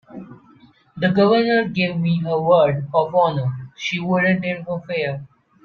The Governor gave me her word of honor she wouldn't interfere.